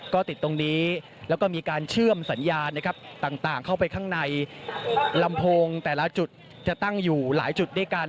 ก็ติดตรงนี้แล้วก็มีการเชื่อมสัญญาณนะครับต่างเข้าไปข้างในลำโพงแต่ละจุดจะตั้งอยู่หลายจุดด้วยกัน